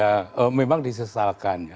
ya memang disesalkan ya